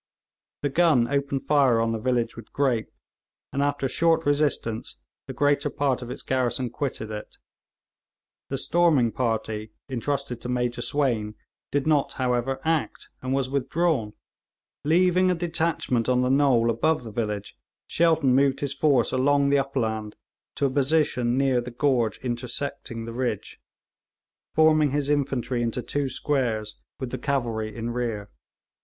The gun opened fire on the village with grape, and after a short resistance the greater part of its garrison quitted it. The storming party entrusted to Major Swayne did not, however, act, and was withdrawn. Leaving a detachment on the knoll above the village, Shelton moved his force along the upland to a position near the gorge intersecting the ridge, forming his infantry into two squares, with the cavalry in rear.